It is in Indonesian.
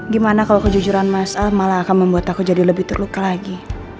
gimana kalau kejujuran mas a malah akan membuat aku jadi lebih terluka lagi